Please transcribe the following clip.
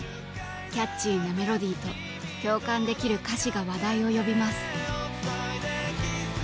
キャッチーなメロディーと共感できる歌詞が話題を呼びます。